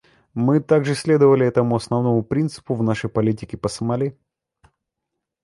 Мы также следовали этому основному принципу в нашей политике по Сомали.